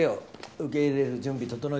受け入れる準備整えとくから。